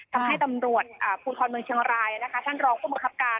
ทำให้ตำรวจภูทรเมืองชังรายท่านรองควบคับการ